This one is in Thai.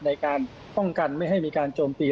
ในการป้องกันไม่ให้มีการโจมตี